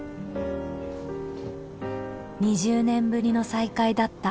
２０年ぶりの再会だった